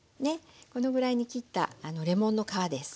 このぐらいに切ったレモンの皮です。